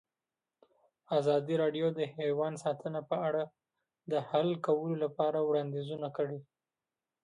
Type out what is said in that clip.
ازادي راډیو د حیوان ساتنه په اړه د حل کولو لپاره وړاندیزونه کړي.